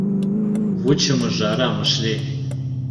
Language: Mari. Вучымыжо арам ыш лий.